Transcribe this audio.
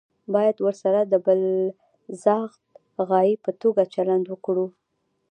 باید ورسره د بالذات غایې په توګه چلند وکړو.